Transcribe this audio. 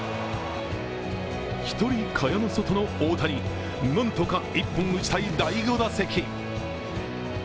１人、蚊帳の外の大谷なんとか１本打ちたい第５打席。